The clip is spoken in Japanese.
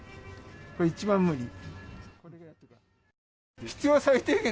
これ、一番無理。